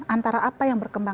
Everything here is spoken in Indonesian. antara apa yang berkembang